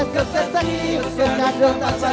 rambi ruang dia